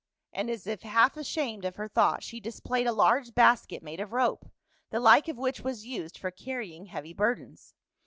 And as if half ashamed of her thought, she displayed a large basket made of rope, the like of which was used for carrying heavy burdens.